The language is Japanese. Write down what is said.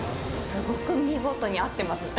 すごく見事に合ってます。